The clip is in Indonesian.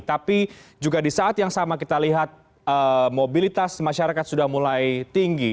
tapi juga di saat yang sama kita lihat mobilitas masyarakat sudah mulai tinggi